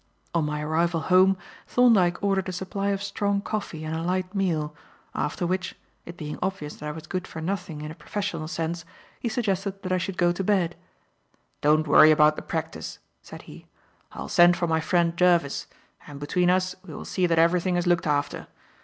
On my arrival home, Thorndyke ordered a supply of strong coffee and a light meal, after which it being obvious that I was good for nothing in a professional sense, he suggested that I should go to bed. "Don't worry about the practice," said he. "I will send for my friend Jervis, and, between us, we will see that everything is looked after.